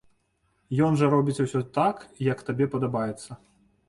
Ён жа робіць усё так, як табе падабаецца.